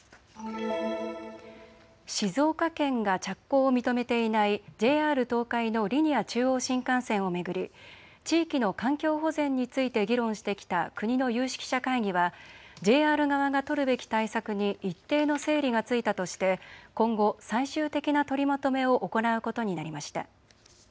静岡県が着工を認めていないＪＲ東海のリニア中央新幹線を巡り地域の環境保全について議論してきた国の有識者会議はＪＲ側が取るべき対策に一定の整理がついたとして今後、最終的な取りまとめを行うことになりました。